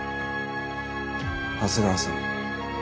長谷川さん